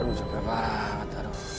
aduh capek banget